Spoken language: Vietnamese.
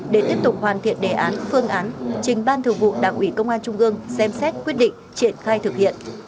để tiếp tục hoàn thiện đề án phương án trình ban thường vụ đảng ủy công an trung ương xem xét quyết định triển khai thực hiện